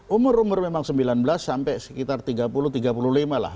umur umur memang sembilan belas sampai sekitar tiga puluh tiga puluh lima lah